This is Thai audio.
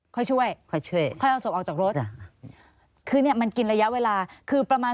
คือประมาณซักนาทีในเวลาเกือบเท่าไหร่